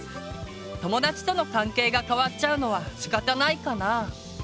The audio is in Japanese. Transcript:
友達との関係が変わっちゃうのはしかたないかな？